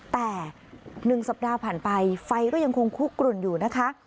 แต่๑สัปดาห์ผ่านไปไฟก็ยังคงคุกกลุ่นอยู่นะคะ